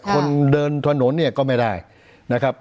คนเดินถนนเนี่ยก็ไม่ได้นะครับ